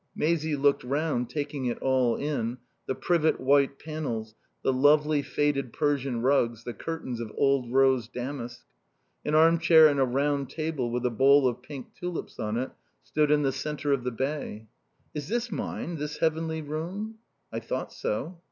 Maisie looked round, taking it all in, the privet white panels, the lovely faded Persian rugs, the curtains of old rose damask. An armchair and a round table with a bowl of pink tulips on it stood in the centre of the bay. "Is this mine, this heavenly room?" "I thought so."